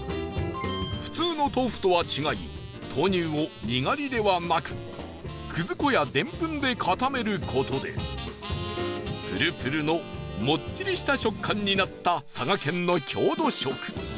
普通の豆腐とは違い豆乳を、にがりではなく葛粉やデンプンで固める事でプルプルのもっちりした食感になった、佐賀県の郷土食